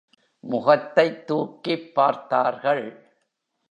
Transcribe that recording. முகத்தைத் தூக்கிப் பார்த்தார்கள்.